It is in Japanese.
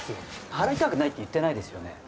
払いたくないって言ってないですよね。